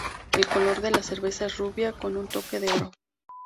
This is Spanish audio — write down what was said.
El color de la cerveza es rubia, con un toque de oro.